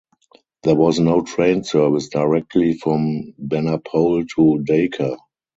There was no train service directly from Benapole to Dhaka.